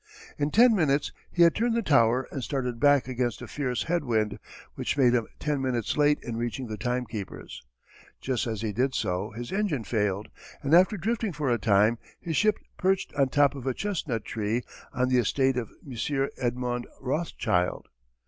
In ten minutes he had turned the Tower, and started back against a fierce head wind, which made him ten minutes late in reaching the time keepers. Just as he did so his engine failed, and after drifting for a time his ship perched in the top of a chestnut tree on the estate of M. Edmond Rothschild.